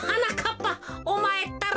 ぱおまえったら！